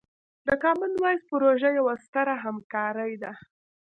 د کامن وایس پروژه یوه ستره همکارۍ ده.